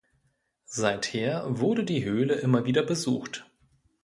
Seither wurde die Höhle immer wieder besucht.